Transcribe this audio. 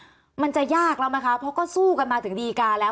มันจะยากแล้วไหมคะเพราะก็สู้กันมาถึงดีการแล้ว